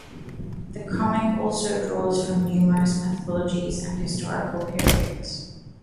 The comic also draws from numerous mythologies and historical periods.